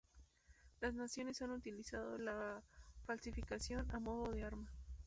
Las naciones han utilizado la falsificación a modo de arma.